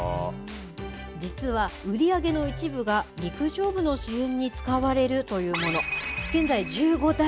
実は、売り上げの一部が陸上部の支援に使われるというもの。